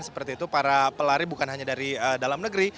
seperti itu para pelari bukan hanya dari dalam negeri